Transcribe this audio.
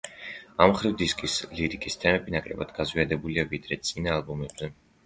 ამ მხრივ დისკის ლირიკის თემები ნაკლებად გაზვიადებულია, ვიდრე წინა ალბომებზე.